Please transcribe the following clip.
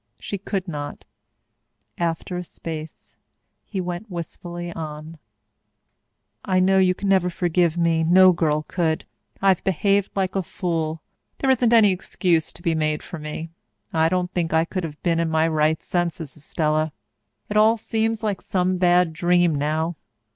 She could not. After a space, he went wistfully on. "I know you can never forgive me no girl could. I've behaved like a fool. There isn't any excuse to be made for me. I don't think I could have been in my right senses, Estella. It all seems like some bad dream now.